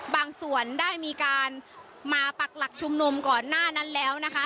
ส่วนได้มีการมาปักหลักชุมนุมก่อนหน้านั้นแล้วนะคะ